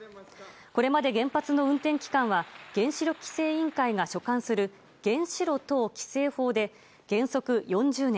これまで原発の運転期間は原子力規制委員会が所管する原子炉等規制法で原則４０年。